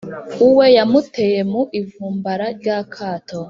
Uwe yamuteye mu ivumbara ry’akato.